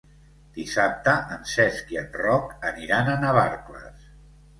Dissabte en Cesc i en Roc aniran a Navarcles.